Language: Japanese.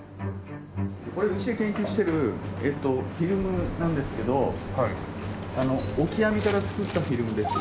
これうちで研究してるフィルムなんですけどオキアミから作ったフィルムです。